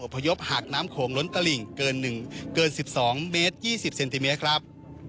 พยพหากน้ำโขงล้นตลิ่งเกิน๑๒เมตร๒๐เซนติเมตรครับ